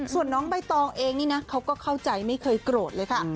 ส่วนน้องใบตองเองนี่นะเขาก็เข้าใจไม่เคยโกรธเลยค่ะ